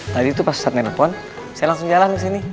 tadi itu pas saat nelfon saya langsung jalan di sini